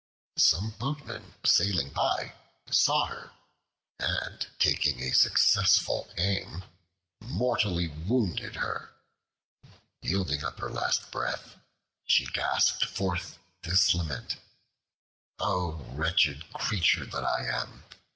Some boatmen sailing by saw her, and taking a successful aim, mortally wounded her. Yielding up her last breath, she gasped forth this lament: "O wretched creature that I am!